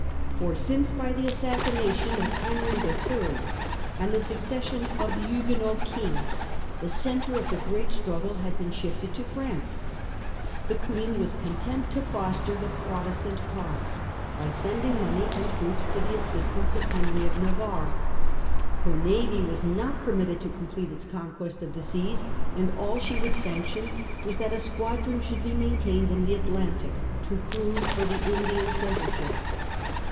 For since by the assassination of Henry the Third and the succession of the Huguenot king the centre of the great struggle had been shifted to France, the Queen was content to foster the Protestant cause by sending money and troops to the assistance of 1 S. P. Dom. Eliz. ccxxxi. 94, April 1590 ; Coke MSS., H, M. C, Rep, XII. i. 18 and 14. 192 SII^ FRANCIS DRAKE chap. Henry of Navarre. Her navy was not permitted to complete its conquest of the seas, and a]l she would sanction was that a squadron should be maintained in the Atlantic to cruise for the Indian treasure ships.